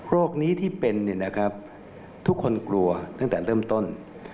นี้ที่เป็นทุกคนกลัวตั้งแต่เริ่มต้น